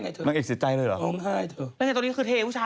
กระเทยเก่งกว่าเออแสดงความเป็นเจ้าข้าว